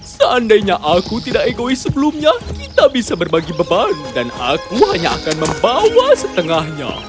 seandainya aku tidak egois sebelumnya kita bisa berbagi beban dan aku hanya akan membawa setengahnya